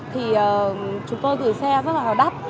thì chúng tôi gửi xe rất là đắt